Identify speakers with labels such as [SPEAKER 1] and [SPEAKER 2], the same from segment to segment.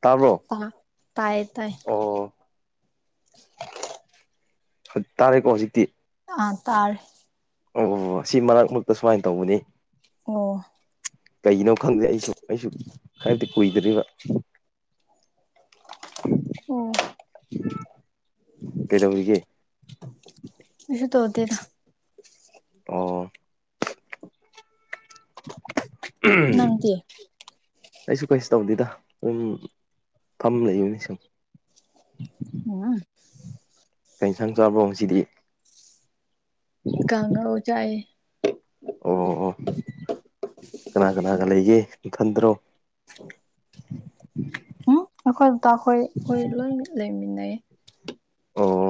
[SPEAKER 1] ꯇꯥꯕ꯭ꯔꯣ
[SPEAKER 2] ꯇꯥꯏ ꯇꯥꯏ
[SPEAKER 1] ꯑꯣ ꯇꯥꯔꯦꯀꯣ ꯍꯧꯖꯤꯛꯇꯤ
[SPEAKER 2] ꯑ ꯇꯥꯔꯦ
[SPEAKER 1] ꯑꯣ ꯑꯣ ꯁꯤ ꯃꯔꯛ ꯃꯔꯛꯇ ꯁꯨꯃꯥꯏꯟ ꯇꯧꯕꯅꯤ
[SPEAKER 2] ꯑꯣ
[SPEAKER 1] ꯀꯩꯒꯤꯅꯣ ꯈꯪꯗꯦ ꯑꯩꯁꯨ ꯑꯩꯁꯨ ꯈꯔꯗꯤ ꯀꯨꯏꯗ꯭ꯔꯤꯕ
[SPEAKER 2] ꯑꯣ
[SPEAKER 1] ꯑ ꯀꯩꯗꯧꯔꯤꯒꯦ
[SPEAKER 2] ꯀꯩꯁꯨ ꯇꯧꯗꯦꯗ
[SPEAKER 1] ꯑꯣ ꯎꯝ
[SPEAKER 2] ꯅꯪꯗꯤ
[SPEAKER 1] ꯑꯩꯁꯨ ꯀꯩꯁꯨ ꯇꯧꯗꯦꯗ ꯁꯨꯝ ꯐꯝ ꯂꯩꯛꯏꯅꯤ ꯁꯨꯝ
[SPEAKER 2] ꯑ
[SPEAKER 1] ꯀꯩ ꯁꯪ ꯆꯥꯕ꯭ꯔꯣ ꯉꯁꯤꯗꯤ
[SPEAKER 2] ꯀꯪꯉ ꯎ ꯆꯥꯏ
[SPEAKER 1] ꯑꯣ ꯑꯣ ꯀꯅꯥ ꯀꯅꯥꯒ ꯂꯩꯒꯦ ꯈꯟꯗ꯭ꯔꯣ
[SPEAKER 2] ꯎꯝ ꯑꯩꯈꯣꯏ ꯇ ꯑꯩꯈꯣꯏ ꯑꯩꯈꯣꯏ ꯂꯣꯏ ꯂꯩꯃꯤꯟꯅꯩ
[SPEAKER 1] ꯑꯣ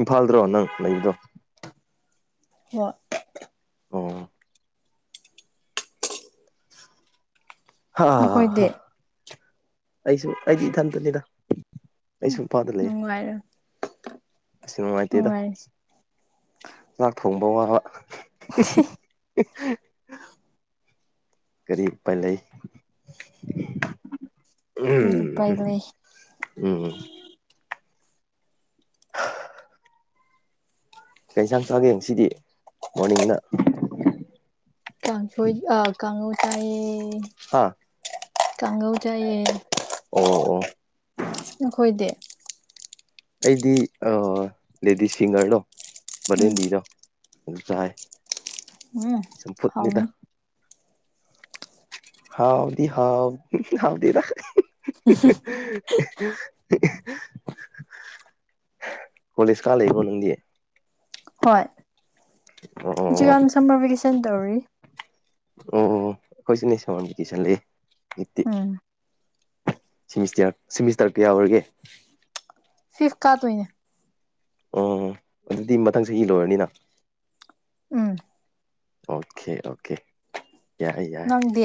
[SPEAKER 1] ꯏꯝꯐꯥꯜꯗ꯭ꯔꯣ ꯅꯪ ꯂꯩꯗꯣ
[SPEAKER 2] ꯋꯥ
[SPEAKER 1] ꯑꯣ ꯍꯥ ꯍꯥ
[SPEAKER 2] ꯅꯈꯣꯏꯗꯤ
[SPEAKER 1] ꯑꯩꯁꯨ ꯑꯩꯗꯤ ꯏꯊꯟꯇꯅꯤꯗ ꯑꯩꯁꯨ ꯏꯄꯥꯗ ꯂꯩ
[SPEAKER 2] ꯅꯨꯡꯉꯥꯏꯔ
[SPEAKER 1] ꯑꯁꯤ ꯅꯨꯡꯉꯥꯏꯇꯦꯗ ꯆꯥꯛ ꯊꯣꯡꯕ ꯋꯥꯕ [inaudible] ꯀꯔꯤ ꯎ ꯄꯥꯏ ꯂꯩ
[SPEAKER 2] ꯀꯔꯤ ꯎꯄꯥꯏ
[SPEAKER 1] ꯎꯝ
[SPEAKER 2] ꯂꯩ
[SPEAKER 1] ꯎꯝ ꯀꯩꯟꯁꯥꯡ ꯆꯥꯡꯌꯦꯡꯁꯤꯗꯤ ꯃꯣꯔꯅꯤꯡꯅ
[SPEAKER 2] ꯀꯥꯡꯁꯣꯏ ꯑ ꯀꯥꯡꯧ ꯆꯥꯏꯌꯦ
[SPEAKER 1] ꯍꯥ
[SPEAKER 2] ꯀꯥꯡꯒꯧ ꯆꯥꯏꯌꯦ
[SPEAKER 1] ꯑꯣ ꯑꯣ
[SPEAKER 2] ꯅꯈꯣꯏꯗꯤ
[SPEAKER 1] ꯑꯩꯗꯤ ꯂꯦꯗꯤꯁ ꯁꯤꯡꯒꯔꯗꯣ
[SPEAKER 2] ꯎꯝ
[SPEAKER 1] ꯕꯂꯦꯟꯗꯤꯗꯣ ꯑꯗꯨꯝ ꯆꯥꯏ
[SPEAKER 2] ꯎꯝ
[SPEAKER 1] ꯆꯝꯐꯨꯠꯅꯤꯗ
[SPEAKER 2] ꯍꯥꯎꯅꯤ
[SPEAKER 1] ꯍꯥꯎꯥꯎꯗꯤ ꯍꯥꯎ ꯍꯥꯎꯗꯤꯗ ꯀꯂꯤꯁ ꯀ ꯂꯩ ꯃꯟꯗꯤꯦ
[SPEAKER 2] ꯍꯣꯏ
[SPEAKER 1] ꯑꯣ
[SPEAKER 2] ꯍꯧꯖꯤꯛꯀꯥꯟ ꯁꯝꯃꯔ ꯚꯦꯀꯦꯁꯟ ꯇꯧꯔꯤ
[SPEAKER 1] ꯑꯣ ꯀꯣꯏꯁꯨ ꯅ ꯁ ꯁꯦ
[SPEAKER 2] ꯎꯝ
[SPEAKER 1] ꯁꯤꯃꯤꯁꯇꯔ ꯁꯤꯃꯤꯁꯇꯔ ꯀꯌꯥ ꯑꯣꯏꯒꯦ
[SPEAKER 2] ꯐꯤꯚ ꯀꯗꯣꯏꯅꯦ
[SPEAKER 1] ꯑꯣ ꯑꯗꯨꯗꯤ ꯃꯊꯪ ꯆꯍꯤ ꯂꯣꯏꯔꯅꯤꯅ
[SPEAKER 2] ꯎꯝ
[SPEAKER 1] ꯑꯣꯀꯦ ꯑꯣꯀꯦ ꯌꯥꯏ ꯌꯥꯏ
[SPEAKER 2] ꯅꯪꯗꯤ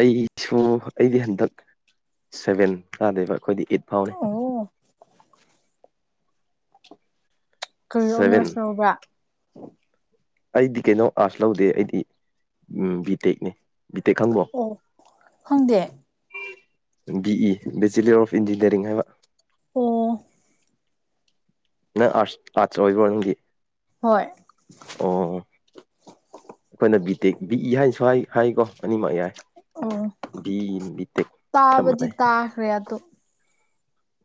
[SPEAKER 1] ꯑꯩꯁꯨ ꯑꯩꯗꯤ ꯍꯟꯗꯛ ꯁꯚꯦꯟ ꯆꯥꯗꯦꯕ ꯑꯩꯈꯣꯏꯗꯤ ꯏꯠ ꯐꯥꯎꯅꯤ
[SPEAKER 2] ꯑꯣ ꯀꯔꯤ
[SPEAKER 1] ꯁꯚꯦꯟ
[SPEAKER 2] ꯑꯣꯅꯔꯁ ꯂꯧꯕ꯭ꯔꯥ
[SPEAKER 1] ꯑꯩꯗꯤ ꯀꯩꯅꯣ ꯑꯥꯔꯠꯁ ꯂꯧꯗꯦ ꯑꯩꯗꯤ ꯕꯤ ꯇꯦꯛꯅꯤ ꯇꯦꯛ ꯈꯪꯕ
[SPEAKER 2] ꯑꯣ ꯈꯪꯗꯦ
[SPEAKER 1] B E bachelor of engineering ꯍꯥꯏꯕ
[SPEAKER 2] ꯑꯣ
[SPEAKER 1] ꯅꯪ ꯑꯥꯠ ꯑꯥꯔꯠꯁ ꯑꯣꯏꯕ꯭ꯔꯣ ꯅꯪꯒꯤ
[SPEAKER 2] ꯍꯣꯏ
[SPEAKER 1] ꯑꯣ ꯑꯩꯈꯣꯏꯅ ꯕꯤ ꯇꯦꯛ ꯕꯤ ꯏ ꯍꯥꯏꯅꯁꯨ ꯍꯥꯏ ꯍꯥꯏꯀꯣ ꯑꯅꯤꯃꯛ ꯌꯥꯏ
[SPEAKER 2] ꯑꯣ
[SPEAKER 1] ꯕꯤ ꯏ ꯕꯤꯇꯦꯛ ꯆꯞ
[SPEAKER 2] ꯇꯥꯕꯗꯤ
[SPEAKER 1] ꯃꯥꯟꯅꯩ
[SPEAKER 2] ꯇꯥꯈ꯭ꯔꯦ ꯑꯗꯣ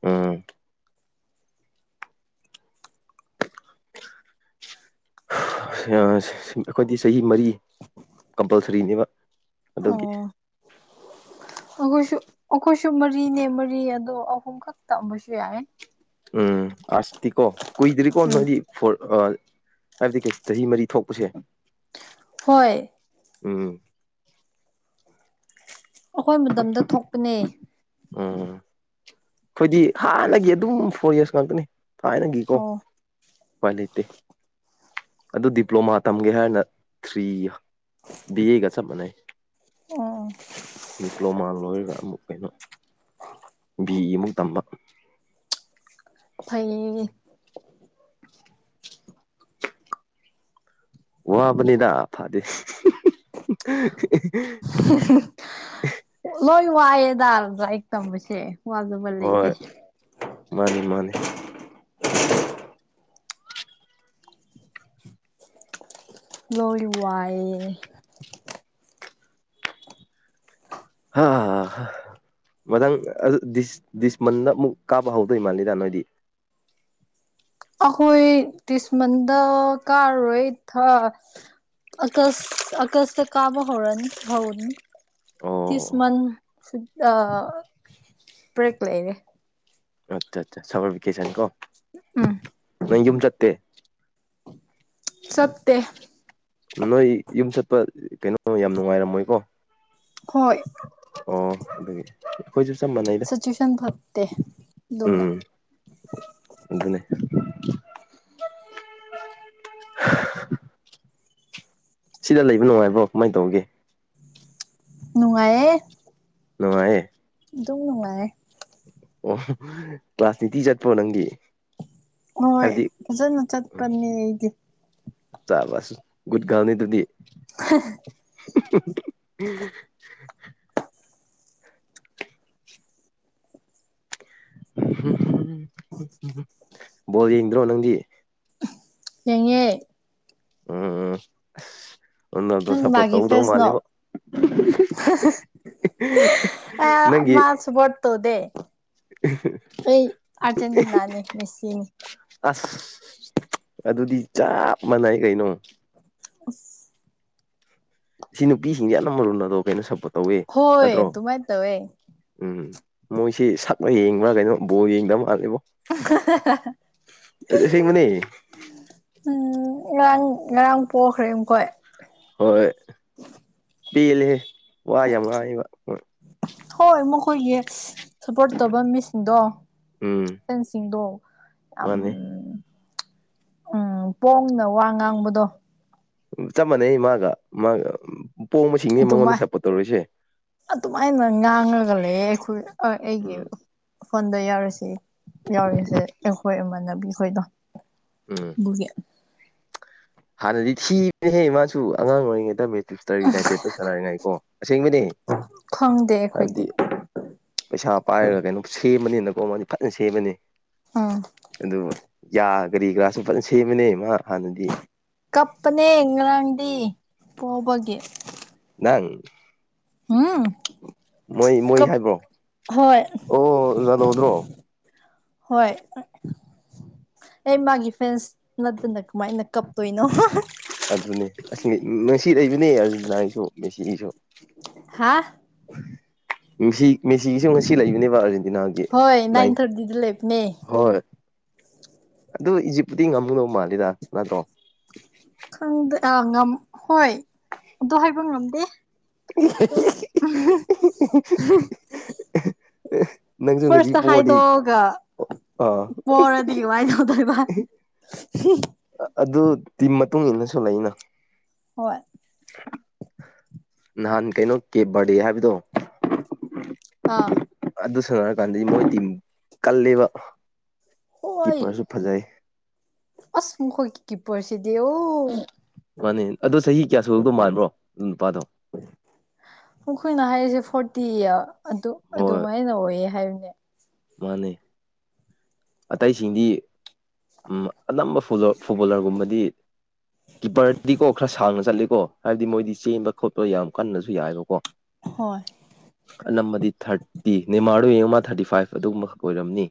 [SPEAKER 1] ꯎꯝ ꯑꯩꯈꯣꯏꯗꯤ ꯆꯍꯤ ꯃꯔꯤ ꯀꯝꯄꯜꯁꯔꯤꯅꯦꯕ ꯑꯗꯨꯒꯤ
[SPEAKER 2] ꯑꯣ ꯑꯩꯈꯣꯏꯁꯨ ꯑꯩꯈꯣꯏꯁꯨ ꯃꯔꯤꯅꯦ ꯃꯔꯤ ꯑꯗꯣ ꯑꯍꯨꯝꯈꯛ ꯇꯝꯕꯁꯨ ꯌꯥꯏ
[SPEAKER 1] ꯎꯝ ꯑꯔꯁꯇꯤ ꯀꯣ ꯀꯨꯏꯗꯔꯤ ꯀꯣ
[SPEAKER 2] ꯎꯝ
[SPEAKER 1] ꯅꯣꯏꯗꯤ ꯐꯣꯜ ꯑ ꯍꯥꯏꯕꯗꯤ ꯆꯍꯤ ꯃꯔꯤ ꯊꯣꯛꯄꯁꯦ
[SPEAKER 2] ꯍꯣꯏ
[SPEAKER 1] ꯎꯝ
[SPEAKER 2] ꯑꯩꯈꯣꯏ ꯃꯇꯝꯗ ꯊꯣꯛꯄꯅꯦ
[SPEAKER 1] ꯎꯝ ꯑꯩꯈꯣꯏꯗꯤ ꯍꯥꯟꯅꯒꯤ ꯑꯗꯨꯝ ꯐꯣꯔ ꯌꯔꯁ ꯉꯥꯛꯇꯅꯤ ꯊꯥꯏ ꯅꯪꯒꯤꯀꯣ
[SPEAKER 2] ꯑꯣ
[SPEAKER 1] ꯎꯄꯥꯏ ꯂꯩꯇꯦ ꯑꯗꯨ ꯗꯤꯄ꯭ꯂꯣꯃꯥ ꯇꯝꯒꯦ ꯍꯥꯏꯔꯅ ꯊ꯭ꯔꯤ ꯕꯤ ꯑꯦꯒ ꯆꯞ ꯃꯥꯟꯅꯩ
[SPEAKER 2] ꯑꯣ
[SPEAKER 1] ꯗꯤꯄ꯭ꯂꯣꯃꯥ ꯂꯣꯏꯔꯒ ꯑꯃꯨꯛ ꯀꯩꯅꯣ ꯕꯤ ꯑꯃꯨꯛ ꯇꯝꯕ
[SPEAKER 2] ꯐꯩꯌꯦꯌꯦ
[SPEAKER 1] ꯋꯥꯕꯅꯤꯗ ꯐꯥꯗꯤ
[SPEAKER 2] ꯂꯣꯏ ꯋꯥꯏꯑꯦꯗꯥ ꯂꯥꯏꯔꯤꯛ ꯇꯝꯕꯁꯦ ꯋꯥꯗꯕ
[SPEAKER 1] ꯍꯣꯏ
[SPEAKER 2] ꯂꯩꯇꯦ
[SPEAKER 1] ꯃꯥꯅꯤ ꯃꯥꯅꯤ
[SPEAKER 2] ꯂꯣꯏꯅꯥ ꯋꯥꯏꯌꯦ
[SPEAKER 1] ꯍꯥ ꯍꯥ ꯃꯊꯪꯗꯤꯁ ꯗꯤꯁꯃꯟꯗ ꯑꯃꯨꯛ ꯀꯥꯕ ꯍꯧꯗꯣꯏ ꯃꯥꯜꯂꯤꯗ ꯅꯣꯏꯗꯤ
[SPEAKER 2] ꯑꯈꯣꯏ ꯇꯤꯁꯃꯟꯗ ꯀꯥꯔꯣꯏ ꯊꯥ ꯑꯀꯁ ꯑꯀꯁꯇ ꯀꯥꯕ ꯍꯧꯔꯅꯤ ꯍꯧꯅꯤ
[SPEAKER 1] ꯑꯣ
[SPEAKER 2] ꯇꯤꯁꯃꯟ ꯑ ꯕꯔ꯭ꯦꯛ ꯂꯩꯔꯦ
[SPEAKER 1] ꯑꯆꯥ ꯑꯆꯥ ꯁꯥꯃꯔ ꯒꯤꯀꯦꯁꯟꯀꯣ
[SPEAKER 2] ꯎꯝ
[SPEAKER 1] ꯅꯪ ꯌꯨꯝ ꯆꯠꯇꯦ
[SPEAKER 2] ꯆꯠꯇꯦ
[SPEAKER 1] ꯅꯣꯏ ꯌꯨꯝ ꯆꯠꯄ ꯀꯩꯅꯣ ꯌꯥꯝ ꯅꯨꯡꯉꯥꯏꯔꯝꯃꯣꯏꯀꯣ
[SPEAKER 2] ꯍꯣꯏ
[SPEAKER 1] ꯑꯣ ꯑꯗꯨꯒꯤ ꯑꯩꯈꯣꯏꯁꯨ ꯆꯞ ꯃꯥꯟꯅꯩꯗ
[SPEAKER 2] ꯁꯤꯆꯨꯋꯦꯁꯟ ꯐꯠꯇꯦ ꯑꯗꯨꯅ
[SPEAKER 1] ꯎꯝ ꯑꯗꯨꯅꯦ [inaudible] ꯁꯤꯗ ꯂꯩꯕ ꯅꯨꯡꯉꯥꯏꯕ꯭ꯔꯣ ꯀꯃꯥꯏ ꯇꯧꯒꯦ
[SPEAKER 2] ꯅꯨꯡꯉꯥꯏꯌꯦ
[SPEAKER 1] ꯅꯨꯡꯉꯥꯏꯌꯦ
[SPEAKER 2] ꯑꯗꯨꯣꯡ ꯅꯨꯡꯉꯥꯏ
[SPEAKER 1] ꯑꯣ ꯀ꯭ꯂꯥꯁ ꯅꯤꯇꯤ ꯆꯠꯄꯣ ꯅꯪꯗꯤ
[SPEAKER 2] ꯍꯣꯏ
[SPEAKER 1] ꯍꯥꯏꯕꯗꯤ
[SPEAKER 2] ꯐꯖꯅ ꯆꯠꯄꯅꯦ ꯑꯩꯗꯤ
[SPEAKER 1] ꯆꯥꯕꯁ ꯨꯒꯨꯠꯒꯥꯜꯅꯤꯗꯨꯗꯤ
[SPEAKER 2] [inaudible]
[SPEAKER 1] [inaudible] ꯕꯣꯜ ꯌꯦꯡꯗ꯭ꯔꯣ ꯅꯪꯗꯤ
[SPEAKER 2] ꯌꯦꯡꯉꯦ
[SPEAKER 1] ꯎꯝ ꯑꯁ ꯎꯅꯥꯗꯣ
[SPEAKER 2] ꯅꯪ
[SPEAKER 1] ꯁꯞꯄꯣꯔꯠ
[SPEAKER 2] ꯃꯥꯒꯤ
[SPEAKER 1] ꯇꯧꯗꯧ
[SPEAKER 2] ꯐꯦꯁꯅꯣ
[SPEAKER 1] ꯃꯥꯜꯂꯤꯕꯣ
[SPEAKER 2] ꯑ
[SPEAKER 1] ꯅꯪꯒꯤ
[SPEAKER 2] ꯃꯥꯁꯨ ꯕꯣꯔꯠ꯭ ꯇꯧꯗꯦ ꯑꯩ ꯑꯔꯖꯦꯟꯇꯤꯅꯥꯅꯤ ꯃꯦꯁꯤꯅꯤ
[SPEAKER 1] ꯑꯁ ꯑꯗꯨꯗꯤ ꯆꯞ ꯃꯥꯟꯅꯩ ꯀꯩꯅꯣ
[SPEAKER 2] ꯑꯁ
[SPEAKER 1] ꯁꯤ ꯅꯨꯄꯤꯁꯤꯡꯁꯦ ꯌꯥꯝꯅ ꯃꯨꯜ ꯑꯗꯣ ꯀꯩꯅꯣ ꯁꯞꯄꯣꯔꯠ ꯇꯧꯋꯦ
[SPEAKER 2] ꯍꯣꯏ
[SPEAKER 1] ꯅꯠꯇ꯭ꯔꯣ
[SPEAKER 2] ꯑꯗꯨꯃꯥꯏꯅ ꯇꯧꯋꯦ
[SPEAKER 1] ꯎꯝ ꯃꯣꯏꯁꯤ ꯁꯛꯅꯥ ꯌꯦꯡꯕ꯭ꯔꯥ ꯀꯩꯅꯣ ꯕꯣꯜ ꯌꯦꯡꯗꯕ ꯃꯥꯜꯂꯤꯕꯣ
[SPEAKER 2] ꯍꯥ ꯍꯥ ꯍꯥ ꯍꯥ
[SPEAKER 1] ꯑꯁꯦꯡꯕꯅꯦ
[SPEAKER 2] ꯍꯥ ꯎꯝ ꯉꯔꯥꯡ ꯉꯔꯥꯡ ꯄꯣꯛꯈ꯭ꯔꯦ ꯑꯃꯨꯈꯣꯏ
[SPEAKER 1] ꯍꯣꯏ ꯄꯤꯜꯂꯤꯍꯦ ꯋꯥ ꯌꯥꯝ ꯉꯥꯡꯉꯦꯕ
[SPEAKER 2] ꯍꯣꯏ ꯃꯈꯣꯏꯒꯤ ꯁꯞꯄꯣꯔꯠ ꯇꯧꯕ ꯃꯤꯁꯤꯡꯗꯣ
[SPEAKER 1] ꯎꯝ
[SPEAKER 2] ꯁꯤꯡꯗꯣ ꯌꯥꯝ
[SPEAKER 1] ꯃꯥꯅꯦ
[SPEAKER 2] ꯎꯝ ꯄꯣꯡꯅ ꯋꯥ ꯉꯥꯡꯕꯗꯣ
[SPEAKER 1] ꯆꯃꯅꯦ ꯃꯥꯒ ꯃꯥꯒ
[SPEAKER 2] ꯑꯗꯨꯃꯥꯏ
[SPEAKER 1] ꯃꯤꯉꯣꯟꯗꯞꯄꯣꯔ ꯇꯧꯔꯤꯁꯦ
[SPEAKER 2] ꯑꯗꯨꯃꯥꯏꯅ ꯉꯥꯡꯉꯒ ꯂꯩ ꯑꯩꯈꯣꯏ ꯑꯩꯒꯤ
[SPEAKER 1] ꯎꯝ
[SPEAKER 2] ꯐꯣꯟꯗ ꯌꯥꯎꯔꯤꯁꯤ ꯌꯥꯎꯔꯤꯁꯦ ꯑꯩꯈꯣꯏ ꯏꯃꯥꯟꯅꯕꯤꯈꯣꯏꯗꯣ
[SPEAKER 1] ꯎꯝ
[SPEAKER 2] ꯕꯨꯌꯥ
[SPEAKER 1] ꯍꯥꯟꯅꯗꯤ ꯊꯤꯕꯅꯦꯍꯦ ꯃꯥꯁꯨ ꯑꯉꯥꯡ ꯑꯣꯏꯔꯤꯉꯩ ꯇꯝꯃꯦ ꯇꯔ ꯌꯨꯅꯥꯏꯇꯦ ꯁꯥꯟꯅꯔꯤꯉꯥꯏꯀꯣ ꯑꯁꯦꯡꯕꯅꯦ
[SPEAKER 2] ꯈꯪꯗꯦ
[SPEAKER 1] ꯍꯥꯏꯕꯗꯤ
[SPEAKER 2] ꯑꯩꯈꯣꯏꯗꯤ
[SPEAKER 1] ꯄꯩꯁꯥ ꯄꯥꯏꯔꯒ ꯀꯩꯅꯣ ꯁꯦꯝꯕꯅꯤꯅꯀꯣ ꯃꯥꯗꯤ ꯐꯖꯅ ꯁꯦꯝꯃꯅꯤ
[SPEAKER 2] ꯑꯥ
[SPEAKER 1] ꯑꯗꯨ ꯌꯥ ꯀꯔꯤ ꯀꯔꯥꯁꯨ ꯐꯖꯅ ꯁꯦꯝꯕꯅꯦ ꯏ ꯃꯥ ꯍꯥꯟꯅꯗꯤ
[SPEAKER 2] ꯀꯞꯄꯅꯦ ꯉꯔꯥꯡꯗꯤ ꯄꯕꯒꯤ
[SPEAKER 1] ꯅꯪ
[SPEAKER 2] ꯑꯝ
[SPEAKER 1] ꯃꯣꯏ ꯃꯣꯏ ꯍꯥꯏꯕ꯭ꯔꯣ ꯑꯣ ꯌꯥꯥꯗꯧꯗ꯭ꯔꯣ
[SPEAKER 2] ꯍꯣꯏ ꯑꯩ ꯃꯥꯒꯤ ꯐꯦꯟꯁ ꯅꯠꯇꯅ ꯀꯃꯥꯏꯅ ꯀꯞ ꯇꯣꯏꯅꯣ
[SPEAKER 1] ꯑꯗꯨꯅꯦ ꯑꯁ ꯉꯁꯤ ꯂꯩꯏꯕꯅꯦ ꯑꯔꯖꯦꯟꯇꯤꯅꯥꯒꯤꯁꯨ ꯃꯦꯁꯤꯒꯤꯁꯨ
[SPEAKER 2] ꯍꯥ
[SPEAKER 1] ꯁꯤ ꯃꯦꯁꯤꯒꯤꯁꯨ ꯉꯁꯤ ꯂꯩꯕꯅꯦꯕ ꯑꯥꯔꯖꯦꯟꯇꯤꯅꯥꯒꯤ
[SPEAKER 2] ꯍꯣꯏ ꯅꯥꯏꯟ ꯊꯥꯔꯇꯤꯗ ꯂꯩꯕꯅꯦ
[SPEAKER 1] ꯍꯣꯏ ꯑꯗꯨ ꯏꯖꯤꯞꯇꯨꯗꯤ ꯉꯝꯃꯨꯅꯧ ꯃꯥꯜꯂꯤꯦꯗ ꯅꯠꯇ꯭ꯔꯣ
[SPEAKER 2] ꯈꯪꯗꯦ ꯑ ꯍꯣꯏ ꯑꯗꯨ ꯍꯥꯏꯕ ꯉꯝꯗꯦ ꯑ [unintelligible]
[SPEAKER 1] ꯅꯪꯁꯨ ꯉꯁꯤ
[SPEAKER 2] ꯐꯔꯁ
[SPEAKER 1] ꯄꯣꯔꯗꯤ
[SPEAKER 2] ꯍꯥꯏꯥꯏꯗꯒ
[SPEAKER 1] ꯑꯥ
[SPEAKER 2] ꯄꯣꯔꯗꯤ ꯋꯥꯏ ꯇꯧꯗꯣꯏꯕ
[SPEAKER 1] ꯑꯗꯨꯗꯤ ꯃꯇꯨꯡ ꯏꯟꯅꯁꯨ ꯂꯩꯅ
[SPEAKER 2] ꯍꯣꯏ
[SPEAKER 1] ꯅꯍꯥꯟ ꯀꯩꯅꯣ ꯀꯦ ꯕꯥꯔꯗꯦ ꯍꯥꯏꯕꯗꯣ
[SPEAKER 2] ꯑꯥ
[SPEAKER 1] ꯑꯗꯨ ꯁꯥꯟꯅ ꯍꯥꯏꯔꯀꯥꯟꯗꯗꯤ ꯃꯣꯏ ꯇꯤꯝ ꯀꯜꯂꯦꯕ
[SPEAKER 2] ꯍꯣꯏ
[SPEAKER 1] ꯀꯤꯞꯄꯔꯁꯨ ꯐꯖꯩ
[SPEAKER 2] ꯑꯁ ꯃꯈꯈꯣꯏ ꯀ ꯄꯁꯤꯗ ꯑꯣ
[SPEAKER 1] ꯃꯥꯅꯦ ꯑꯗꯣ ꯆꯍꯤ ꯀꯌꯥ ꯁꯨꯔꯛꯇꯧ ꯃꯥꯟꯕ꯭ꯔꯣ ꯑꯗꯨ ꯅꯨꯄꯥꯗꯣ
[SPEAKER 2] ꯑꯩꯈꯣꯏꯅ ꯍꯥꯏꯔꯤꯁꯦ ꯐꯣꯔꯇꯤ ꯑꯗꯨ
[SPEAKER 1] ꯍꯣꯏ
[SPEAKER 2] ꯑꯗꯨꯃꯥꯏꯅ ꯑꯣꯏꯌꯦ ꯍꯥꯏꯕꯅꯦ
[SPEAKER 1] ꯃꯥꯅꯦ ꯑꯇꯩꯁꯤꯡꯗꯤ ꯑꯅꯝꯕ ꯐꯨꯠꯕꯣꯂꯔꯒꯨꯝꯕꯗꯤ ꯀꯤꯄꯔꯗꯤꯀꯣ ꯈꯔ ꯁꯥꯡꯅ ꯆꯠꯂꯦꯀꯣ ꯍꯥꯏꯕꯗꯤ ꯃꯣꯏꯗꯤ ꯆꯦꯟꯕ ꯈꯣꯠꯄ ꯌꯥꯝ ꯀꯟꯅꯁꯨ ꯌꯥꯏꯑꯕꯀꯣ
[SPEAKER 2] ꯍꯣꯏ
[SPEAKER 1] ꯑꯅ ꯃꯗꯤ ꯊꯔꯇꯤ ꯅ ꯃꯥꯔꯑꯣ ꯏ ꯃꯥ ꯊꯔꯇꯤ ꯐꯥꯏꯚ ꯑꯗꯨꯒꯨꯝꯕꯈꯛ ꯑꯣꯏꯔꯝꯅꯤ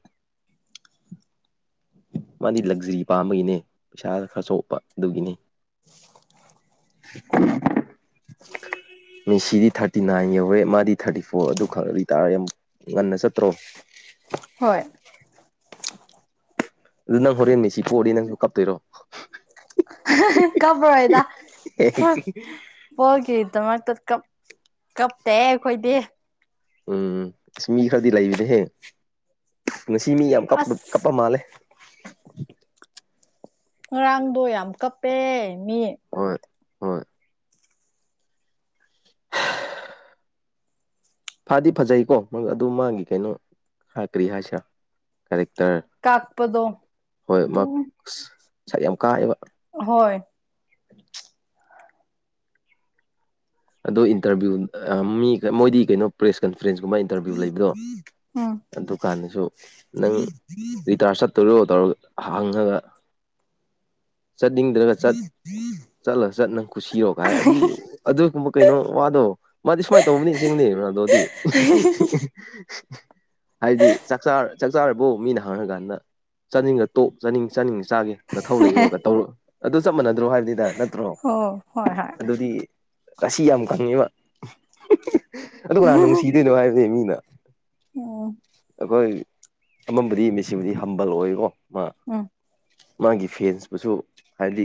[SPEAKER 1] ꯃꯥꯗꯤ ꯂꯛꯖꯔꯤ ꯄꯥꯝꯕꯒꯤꯅꯦ ꯄꯩꯁꯥ ꯈꯔ ꯆꯥꯎꯣꯛꯄ ꯑꯗꯨꯒꯤꯅꯤ
[SPEAKER 2] [inaudible]
[SPEAKER 1] ꯃꯤꯁꯤꯗꯤ ꯊꯥꯔꯇꯤ ꯅꯥꯏꯟ ꯌꯧꯔꯦ ꯃꯥꯗꯤ ꯊꯥꯔꯇꯤ ꯐꯣꯔ ꯑꯗꯨ ꯈꯪ ꯑꯗꯨꯇꯥꯥꯔꯦ ꯌꯥꯝ ꯉꯟꯅ ꯆꯠꯇ꯭ꯔꯣ
[SPEAKER 2] ꯍꯣꯏ
[SPEAKER 1] ꯑꯗꯨ ꯅꯪ ꯍꯣꯔꯦꯟ ꯃꯤꯁꯤ ꯄꯣꯛꯅꯤ ꯅꯪꯁꯨ ꯀꯥꯞꯇꯣꯏꯔꯣ
[SPEAKER 2] ꯀꯝꯕꯔꯣꯏꯗ ꯐꯨꯠꯕꯣꯜꯒꯤꯗꯃꯛꯇ ꯀꯞ ꯀꯞꯇꯦ ꯑꯩꯈꯣꯏꯗꯤ
[SPEAKER 1] ꯎꯝ ꯑꯁ ꯃꯤ ꯈꯔꯗꯤ ꯂꯩꯕꯅꯦ ꯍꯌꯦ ꯉꯁꯤ ꯃꯤ ꯌꯥꯝ ꯀ ꯀꯞꯄ
[SPEAKER 2] ꯑꯁ
[SPEAKER 1] ꯃꯥꯜꯂꯦ
[SPEAKER 2] ꯉꯔꯥꯡꯗꯣ ꯌꯥꯝ ꯀꯞꯄꯦ ꯃꯤ
[SPEAKER 1] ꯍꯣꯏ ꯍꯣꯏ [unintelligible] ꯐꯥꯗꯤ ꯐꯖꯩꯀꯣ ꯑꯗꯨ ꯃꯥꯒꯤ ꯀꯩꯅꯣ ꯍꯥꯀ꯭ꯔꯤ ꯍꯥꯏꯁꯤꯔꯥ ꯀꯔꯦꯛꯇꯔ
[SPEAKER 2] ꯀꯥꯛꯄꯗꯣ
[SPEAKER 1] ꯍꯣꯏꯃꯛ
[SPEAKER 2] ꯑꯗꯨꯝ
[SPEAKER 1] ꯁꯛ ꯌꯥꯝ ꯀꯥꯏꯦꯕ
[SPEAKER 2] ꯍꯣꯏ
[SPEAKER 1] ꯑꯗꯣ ꯏꯟꯇꯔꯚꯤꯌꯨ ꯃꯤ ꯃꯣꯏꯗꯤ ꯀꯩꯅꯣ ꯄ꯭ꯔꯦꯁ ꯀꯟꯐ꯭ꯔꯦꯟꯁ ꯀꯨꯝꯕ ꯏꯟꯇꯔꯚꯤꯌꯨ ꯂꯩꯕꯗꯣ
[SPEAKER 2] ꯎꯝ
[SPEAKER 1] ꯑꯗꯨꯀꯥꯟꯗꯁꯨ ꯅꯪ ꯔꯤꯇꯥꯔ ꯆꯠ ꯇꯨꯔꯤꯣ ꯇꯧꯔꯒ ꯍꯥꯡꯉꯒ ꯆꯠꯅꯤꯡꯗ꯭ꯔꯒ ꯆꯠ ꯆꯠꯂ ꯆꯠꯅꯪ ꯀꯨꯁꯤꯔꯣ ꯀꯥꯏ ꯑꯗꯨꯗꯤ ꯑꯗꯨꯒꯨꯝꯕ ꯀꯩꯅꯣ ꯋꯥꯗꯣ ꯃꯥꯗꯤ ꯁꯨꯃꯥꯏꯅ ꯇꯧꯕꯅꯤ ꯆꯁꯤꯡꯅꯦꯕꯗꯣꯗꯤ ꯍꯥꯏꯗꯤ ꯆꯥꯛꯆꯥ ꯆꯥꯛꯆꯥꯥꯔꯐꯥꯎ ꯃꯤꯅ ꯍꯥꯡꯉꯀꯥꯟꯗ ꯆꯥꯅꯤꯡꯉ ꯇꯣꯛ ꯆꯥꯅꯤꯡ ꯆꯥꯅꯤꯡꯉ ꯆꯥꯒꯦ ꯅꯊꯧ ꯂꯩꯔꯨꯔꯒ ꯇꯧꯔꯛ ꯑꯗꯨ ꯆꯞ ꯃꯅꯗ꯭ꯔꯣ ꯍꯥꯏꯕ ꯗ ꯅꯠꯇ꯭ꯔꯣ
[SPEAKER 2] ꯑꯣ ꯍꯣꯏ ꯍꯣꯏ
[SPEAKER 1] ꯑꯗꯨꯗꯤ ꯑꯁꯤꯁꯤ ꯌꯥꯝ ꯀꯪꯉꯤꯕ ꯑꯗꯨ ꯀꯅꯥ ꯅꯨꯡꯁꯤꯗꯣꯏꯅꯣ ꯍꯥꯏꯕꯅꯦ ꯃꯤꯅ
[SPEAKER 2] ꯑꯣ
[SPEAKER 1] ꯑꯩꯈꯣꯏ ꯑꯃꯝꯕꯨꯗꯤ ꯃꯤꯁꯤꯕꯨꯗꯤ ꯍꯝꯕꯜ ꯑꯣꯏꯀꯣ ꯃꯥ
[SPEAKER 2] ꯎꯝ
[SPEAKER 1] ꯃꯥꯒꯤ ꯐꯦꯟꯁꯄꯨꯁꯨ ꯍꯥꯏꯂꯤ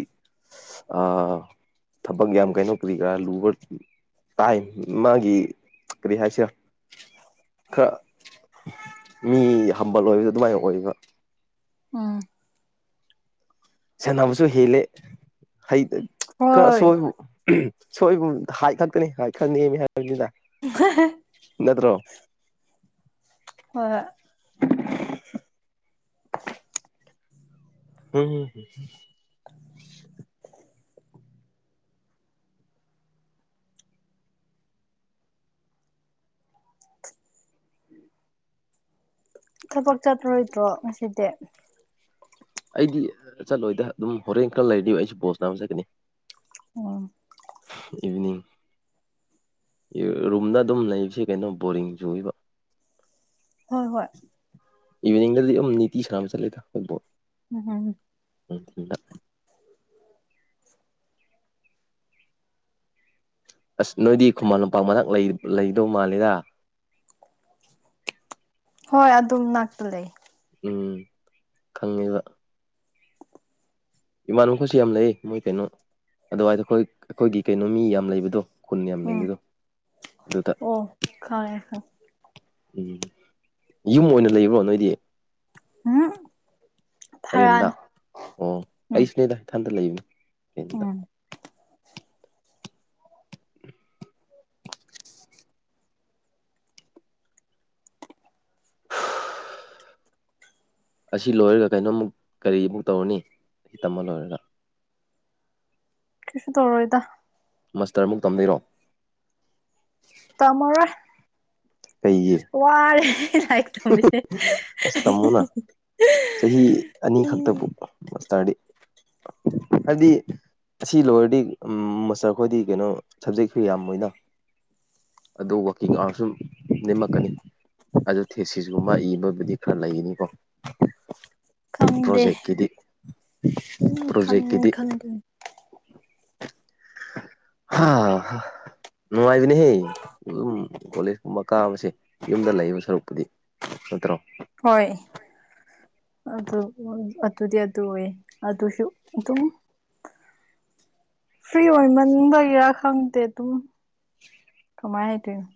[SPEAKER 1] ꯑ ꯊꯕꯛ ꯌꯥꯝ ꯀꯩꯅꯣ ꯄ꯭ꯔꯤ ꯈꯔꯥ ꯂꯨꯕ ꯇꯥꯏ ꯃꯥꯒꯤ ꯀꯔꯤ ꯍꯥꯏꯁꯤꯔꯥ ꯈꯔ ꯃꯤ ꯍꯝꯕꯜ ꯑꯣꯏꯕꯗ ꯑꯗꯨꯃꯥꯏꯅ ꯑꯣꯏꯕ
[SPEAKER 2] ꯎꯝ
[SPEAKER 1] ꯁꯥꯟꯅꯕꯁꯨ ꯍꯦꯜꯂꯦ ꯍꯩ ꯈꯔ
[SPEAKER 2] ꯍꯣꯏ
[SPEAKER 1] ꯑꯁꯣꯏꯕꯨ ꯁꯣꯏꯕꯨꯝ ꯍꯥꯏ ꯈꯠꯀꯅꯤ ꯍꯥꯏ ꯈꯠꯅꯦ ꯍꯥꯏꯕꯅꯤꯗ
[SPEAKER 2] ꯋꯥꯍꯍ
[SPEAKER 1] ꯅꯠꯇ꯭ꯔꯣ
[SPEAKER 2] ꯍꯣꯏ ꯍꯣꯏ
[SPEAKER 1] ꯎꯝ
[SPEAKER 2] [inaudible] ꯊꯕꯛ ꯆꯠꯇꯔꯣꯏꯗ꯭ꯔꯣ ꯉꯁꯤꯗꯤ
[SPEAKER 1] ꯑꯩꯗꯤ ꯆꯠꯂꯣꯏꯗ ꯑꯗꯨꯝ ꯍꯣꯔꯦꯟ ꯈꯔ ꯂꯩꯅꯤ ꯑꯩꯁꯨ ꯕꯣꯁ ꯅꯥꯕ ꯆꯠꯀꯅꯤ
[SPEAKER 2] ꯑꯣ
[SPEAKER 1] ꯏꯚꯅꯤꯡ ꯔꯨꯝꯗ ꯑꯗꯨꯝ ꯂꯩꯕꯁꯤꯦ ꯀꯩꯅꯣ ꯕꯣꯔꯤꯡ ꯆꯨꯏꯕ
[SPEAKER 2] ꯍꯣꯏ ꯍꯣꯏ
[SPEAKER 1] ꯏꯚꯤꯅꯤꯡꯗꯗꯤꯝꯅꯤꯇꯤ ꯁꯅꯥꯅꯝ ꯆꯠꯂꯦꯗ ꯐꯨꯠꯕꯜ
[SPEAKER 2] ꯎꯝ ꯍꯝ
[SPEAKER 1] ꯎꯝ ꯊ ꯑꯁ ꯅꯣꯏꯗꯤ ꯈꯨꯃꯟ ꯂꯝꯄꯥꯛ ꯃꯅꯥꯛ ꯂꯩꯗꯧ ꯃꯥꯂꯦꯗ
[SPEAKER 2] ꯍꯣꯏ ꯑꯗꯨꯝ ꯉꯥꯛꯄ ꯂꯩ
[SPEAKER 1] ꯎꯝ ꯈꯪꯉꯤꯕ ꯏꯃꯥꯟꯈꯁꯨ ꯌꯥꯝ ꯂꯩ ꯃꯣꯏ ꯀꯩꯅꯣ ꯑꯗꯨꯋꯥꯏꯗ ꯑꯩꯈꯣꯏ ꯑꯩꯈꯣꯏꯒꯤ ꯀꯩꯅꯣ ꯃꯤ ꯌꯥꯝ ꯂꯩꯕꯗꯣ ꯈꯨꯟ ꯌꯥꯝ
[SPEAKER 2] ꯎꯝ
[SPEAKER 1] ꯂꯩꯕꯗꯣ ꯑꯗꯨꯗ
[SPEAKER 2] ꯑꯣ ꯈꯥꯏ ꯈ
[SPEAKER 1] ꯎꯝ ꯌꯨꯝ ꯑꯣꯏꯅ ꯂꯩꯕ꯭ꯔꯣ ꯅꯣꯏꯗꯤ
[SPEAKER 2] ꯍꯥ
[SPEAKER 1] ꯇꯔꯦꯟꯗ ꯑꯣ
[SPEAKER 2] ꯎꯝ
[SPEAKER 1] ꯑꯩꯁꯨꯅꯦꯗ ꯏꯊꯟꯇ ꯂꯩꯕꯅꯦꯔꯦꯟꯗ
[SPEAKER 2] ꯎꯝ
[SPEAKER 1] ꯑꯁꯤ ꯂꯣꯏꯔꯒ ꯀꯩꯅꯣꯝꯃꯨꯛ ꯀꯔꯤꯃꯕꯨꯛ ꯇꯧꯔꯅꯤ ꯑꯁꯤ ꯇꯝꯃ ꯂꯣꯏꯔꯒ
[SPEAKER 2] ꯀꯁꯨ ꯇꯧꯔꯣꯏꯗ
[SPEAKER 1] ꯃꯥꯁꯇꯔꯃꯨꯛ ꯇꯝꯅꯩꯔꯣ
[SPEAKER 2] ꯇꯃꯔ
[SPEAKER 1] ꯀꯩꯌꯦ
[SPEAKER 2] ꯋꯥꯔꯦ ꯊ ꯄꯁ
[SPEAKER 1] ꯑꯁ ꯇꯝꯃꯨꯅ
[SPEAKER 2] ꯎ
[SPEAKER 1] ꯃꯁꯗꯤ ꯑꯗꯤ ꯑꯁꯤ ꯂꯣꯏꯋꯔꯗꯤ ꯎ ꯃꯣꯁꯇꯔ ꯈꯈꯣꯏꯗꯤ ꯀꯩꯅꯣ ꯁꯕꯖꯦꯛꯁꯨ ꯌꯥꯝꯃꯣꯏꯅ ꯑꯗꯨ ꯋꯥꯛꯀꯤꯡ ꯑꯋꯥꯔ ꯁꯨꯝ ꯅꯦꯝꯃꯛꯀꯅꯤ ꯑꯗꯨ ꯊꯦꯁꯤꯁꯒꯨꯝꯕ ꯏꯕꯕꯨꯗꯤ ꯈꯔ ꯂꯩꯒꯅꯤꯀꯣ
[SPEAKER 2] ꯈꯪꯗꯦ
[SPEAKER 1] ꯄ꯭ꯔꯣꯖꯦꯛꯀꯤꯗꯤ
[SPEAKER 2] ꯑꯗꯨꯝ ꯈꯟ
[SPEAKER 1] ꯄ꯭ꯔꯣꯖꯦꯛꯀꯤꯗꯤ
[SPEAKER 2] ꯈꯟꯗꯣꯏꯅꯤ
[SPEAKER 1] [unintelligible] ꯍꯥ ꯅꯨꯡꯉꯥꯏꯕꯅꯦꯍꯦ ꯑꯗꯨꯝ ꯀꯣꯂꯦꯖ ꯀꯨꯝꯕ ꯀꯥꯕꯁꯦ ꯌꯨꯝꯗ ꯂꯩꯕ ꯁꯔꯨꯛ ꯆꯠꯇ꯭ꯔꯣ
[SPEAKER 2] ꯍꯣꯏ ꯑꯗꯨ ꯑꯗꯨꯗꯤ ꯑꯗꯨ ꯑꯣꯏꯌꯦ ꯑꯗꯨꯁꯨ ꯑꯗꯨꯝ ꯐ꯭ꯔꯤ ꯑꯣꯏꯃꯟꯕꯒꯤꯔꯥ ꯈꯪꯗꯦ ꯑꯗꯨꯝ ꯀꯃꯥꯏ ꯍꯥꯏꯗꯣꯏꯅꯣ